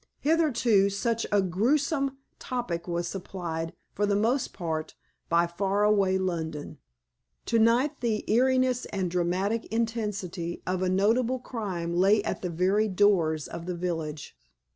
Hitherto, such a grewsome topic was supplied, for the most part, by faraway London. To night the eeriness and dramatic intensity of a notable crime lay at the very doors of the village.